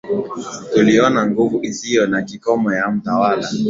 tuliona nguvu isiyo na kikomo ya mtawala